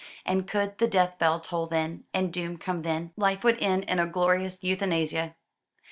and could the death bell toll then, and doom come then, life would end in a glorious euthanasia.